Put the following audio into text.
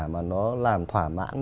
mà nó làm thỏa mãn